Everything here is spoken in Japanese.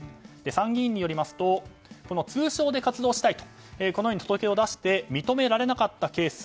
参議院によりますと通称で活動したいと届け出を出して認められなかったケース